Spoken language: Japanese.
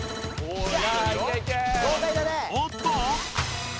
おっと！？